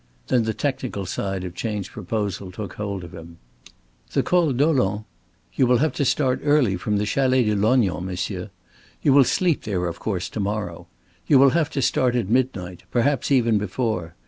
Then the technical side of Chayne's proposal took hold of him. "The Col Dolent? You will have to start early from the Chalet de Lognan, monsieur. You will sleep there, of course, to morrow. You will have to start at midnight perhaps even before.